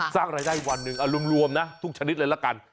สร้างรายได้วันหนึ่งเอารวมนะทุกชนิดเลยละกัน